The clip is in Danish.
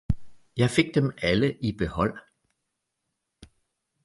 jeg fik dem alle i behold.